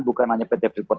bukan hanya pt frikot